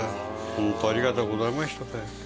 ホントありがとうございましただよ。